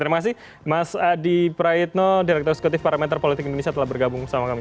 terima kasih mas adi praitno direktur eksekutif parameter politik indonesia telah bergabung bersama kami